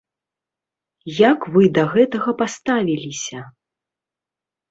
Як вы да гэтага паставіліся?